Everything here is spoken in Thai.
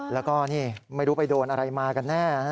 แล้วก็นี่ไม่รู้ไปโดนอะไรมากันแน่